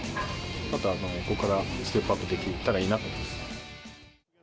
またここからステップアップできたらいいなと。